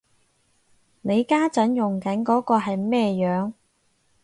你家陣用緊嗰個係咩樣